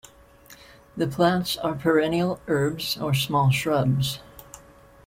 The plants are perennial herbs or small shrubs.